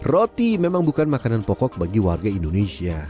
roti memang bukan makanan pokok bagi warga indonesia